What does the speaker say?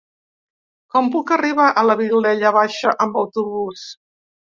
Com puc arribar a la Vilella Baixa amb autobús?